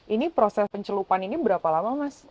ini proses pencelupan ini berapa lama mas